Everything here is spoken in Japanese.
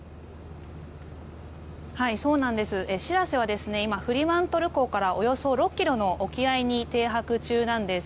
「しらせ」は今、フリマントル港からおよそ６ｋｍの沖合に停泊中なんです。